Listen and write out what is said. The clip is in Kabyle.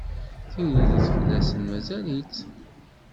Tiririt fell-asen mazal-itt